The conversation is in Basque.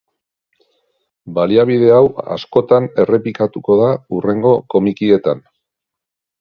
Baliabide hau askotan errepikatuko da hurrengo komikietan.